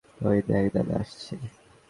ওই দেখ, দাদা আসছে।